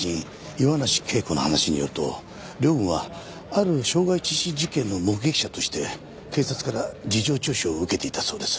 岩梨桂子の話によると凌雲はある傷害致死事件の目撃者として警察から事情聴取を受けていたそうです。